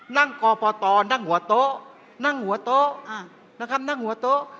นั่งกปตนั่งหัวโต๊ะนั่งหัวโต๊ะนะครับนั่งหัวโต๊ะ